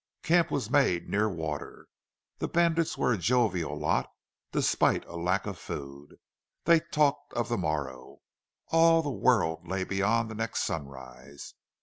Camp was made near water. The bandits were a jovial lot, despite a lack of food. They talked of the morrow. All the world lay beyond the next sunrise.